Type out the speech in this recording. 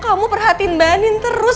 kamu perhatiin banin terus